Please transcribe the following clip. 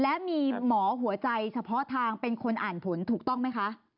และมีหมอหัวใจเฉพาะทางเป็นคนอ่านผลถูกต้องไหมคะ